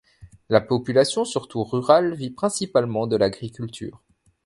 La population surtout rurale vit principalement de l'agriculture.